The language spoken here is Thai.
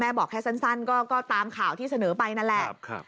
บอกแค่สั้นก็ตามข่าวที่เสนอไปนั่นแหละ